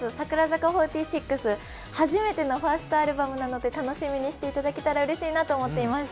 櫻坂４６、初めてのファーストアルバムなので楽しみにしていただければと思います。